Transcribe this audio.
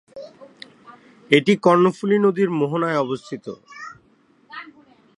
এটি কর্ণফুলী নদীর মোহনায় অবস্থিত।